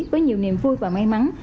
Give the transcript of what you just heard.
với nhiều niềm vui và may mắn